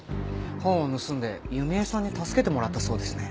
本を盗んで弓江さんに助けてもらったそうですね。